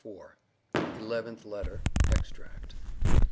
yours J.H.H. ELEVENTH LETTER. [EXTRACT.